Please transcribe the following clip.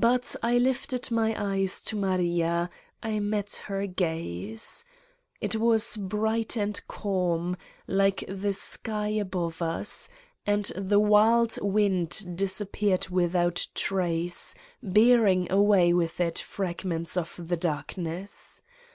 But I lifted my eyes to Maria, I met her gaze. It was bright and calm, like the sky above us and the wild wind disappeared without trace, bearing away with it fragments of the dark ness.